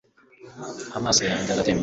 amaso yanjye aratemba